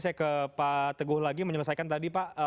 saya ke pak teguh lagi menyelesaikan tadi pak